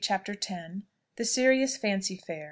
CHAPTER X. THE SERIOUS FANCY FAIR.